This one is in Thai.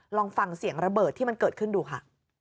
ลองฟังเสียงระเบิดที่มันเกิดขึ้นดูค่ะ